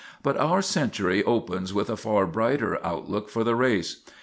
But our century opens with a far brighter outlook for the race.